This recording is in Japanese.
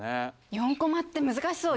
４コマって難しそう。